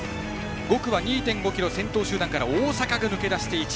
５区は２．５ｋｍ先頭集団から大阪が抜け出して１位。